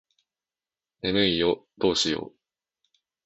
眠いよどうしよう